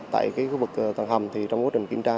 tại khu vực tầng hầm thì trong quá trình kiểm tra